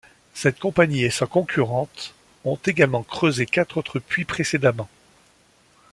Cette compagnie et sa concurrente ont également creusé quatre autres puits précédemment.